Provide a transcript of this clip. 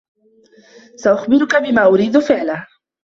سأخبرك بما أريد فعله.